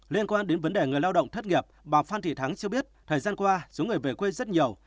liên quan đến vấn đề người lao động thất nghiệp bà phan thị thắng cho biết thời gian qua số người về quê rất nhiều